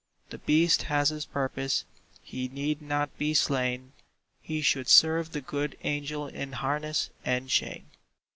The beast has his purpose; he need not be slain: He should serve the good angel in harness and chain.